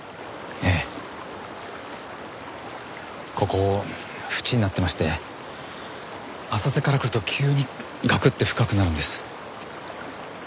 ここ淵になってまして浅瀬から来ると急にガクッて深くなるんです。